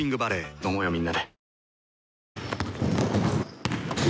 飲もうよみんなで。